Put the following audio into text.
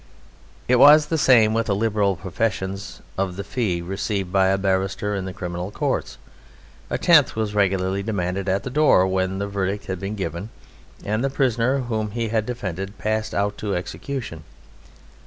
It was the same with the liberal professions: of the fee received by a barrister in the Criminal Courts a tenth was regularly demanded at the door when the verdict had been given and the prisoner whom he had defended passed out to execution.